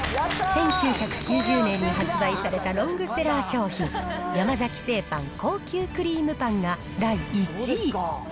１９９０年に発売されたロングセラー商品、山崎製パン、高級クリームパンが第１位。